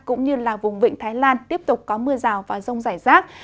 cũng như là vùng vịnh thái lan tiếp tục có mưa rào và rông rải rác